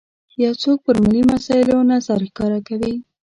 یو څوک پر ملي مسایلو نظر ښکاره کوي.